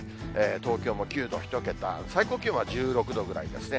東京も９度、１桁、最高気温は１６度ぐらいですね。